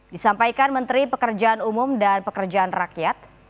disampaikan menteri pekerjaan umum dan pekerjaan rakyat